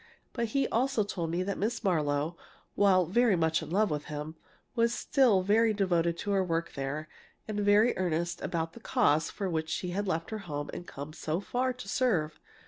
But he also told me that Miss Marlowe, while very much in love with him, was still very devoted to her work there and very earnest about the cause for which she had left her home and come so far to serve.